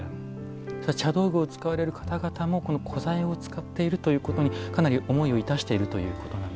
茶道具を使われる方々も古材を使っているということにかなり思いをいたしているということなんでしょうか？